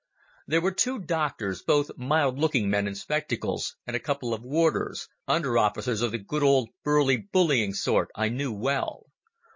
There were two doctors, both mild looking men in spectacles, and a couple of warders—under officers of the good old burly, bullying sort I knew well.